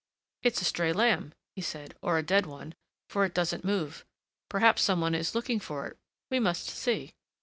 "It's a stray lamb," he said, "or a dead one, for it doesn't move. Perhaps some one is looking for it; we must see."